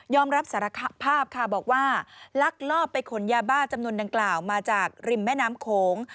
รับสารภาพค่ะบอกว่าลักลอบไปขนยาบ้าจำนวนดังกล่าวมาจากริมแม่น้ำโขง